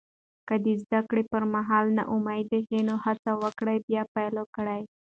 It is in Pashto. که د زده کړې پر مهال ناامید شې، نو هڅه وکړه بیا پیل کړې.